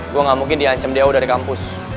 gua gamungkin di ancam diaw dari kampus